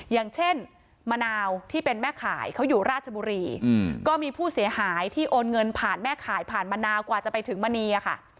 อย่างเช่นมะนาวที่เป็นแม่ขายเขาอยู่ราชบุรีก็มีผู้เสียหายที่โอนเงินผ่านแม่ข่ายผ่านมะนาวกว่าจะไปถึงมณีอะค่ะ